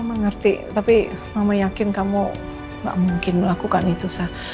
saya mengerti tapi mama yakin kamu gak mungkin melakukan itu